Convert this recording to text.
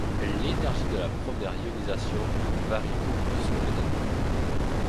L'énergie de première ionisation varie beaucoup selon les atomes.